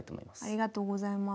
ありがとうございます。